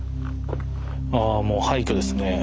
あもう廃虚ですね。